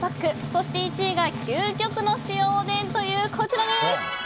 そして１位が究極の塩おでんというこちらです。